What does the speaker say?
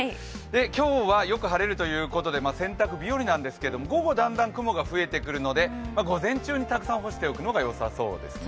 今日はよく晴れるということで、洗濯日和なんですけれども、午後だんだん雲が増えてくるので午前中にたくさん干しておくのがよさそうですね。